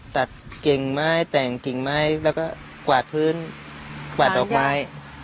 ตัดกิ่งไม้แต่งกิ่งไม้แล้วก็กวาดพื้นกวาดดอกไม้